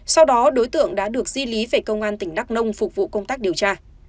sau đó đối tượng đã được di lý về công an tỉnh đắk nông phục vụ công tác điều tra